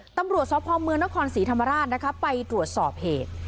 ตำรวจสพเมืองนครศรีธรรมราชไปตรวจสอบเหตุ